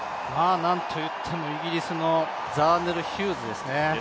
何といってもイギリスのザーネル・ヒューズですね。